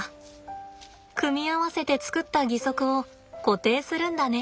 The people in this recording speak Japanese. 組み合わせて作った義足を固定するんだね。